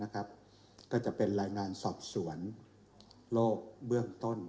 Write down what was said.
ก็จะเป็นรายงานสอบสวนโรคเบื้องต้น